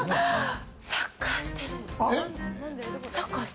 サッカーしてる。